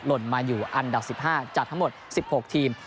ล่นมาอยู่อันดับ๑๕จากทั้งหมด๑๖ทีม